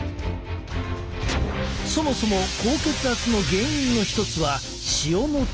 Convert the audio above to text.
そもそも高血圧の原因の一つは塩のとり過ぎ。